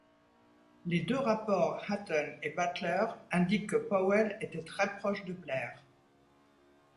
Les deux rapports Hutton et Butler indiquent que Powell était très proche de Blair.